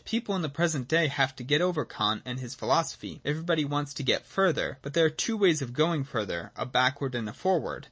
People in the present day have got over Kant and his philosophy : everybody wants to get further. But there are two ways of going further — a back ward and a forward.